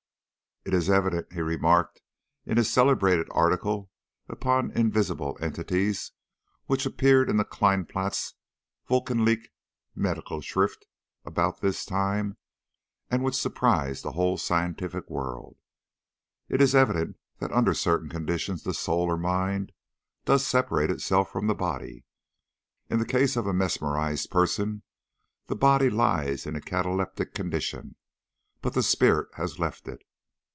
"It is evident," he remarked in his celebrated article upon invisible entities, which appeared in the Keinplatz wochenliche Medicalschrift about this time, and which surprised the whole scientific world "it is evident that under certain conditions the soul or mind does separate itself from the body. In the case of a mesmerised person, the body lies in a cataleptic condition, but the spirit has left it.